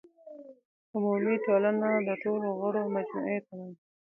عمومي ټولنه د ټولو غړو مجموعې ته وایي.